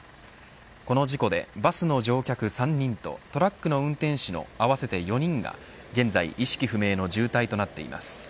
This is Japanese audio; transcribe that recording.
この事故でバスの乗客３人とトラックの運転手の合わせて４人が現在、意識不明の重体となっています。